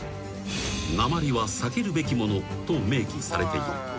［なまりは避けるべきものと明記されている］